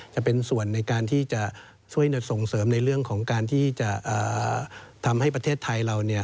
จะเป็นส่วนในการที่จะช่วยส่งเสริมในเรื่องของการที่จะทำให้ประเทศไทยเรา